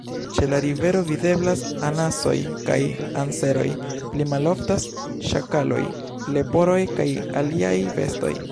Ĉe la rivero videblas anasoj kaj anseroj; pli maloftas ŝakaloj, leporoj kaj aliaj bestoj.